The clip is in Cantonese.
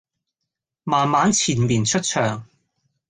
慢慢纏綿出場